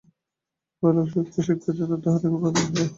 বালক শুককে শিক্ষার জন্য তাঁহার নিকট পাঠানো হইল।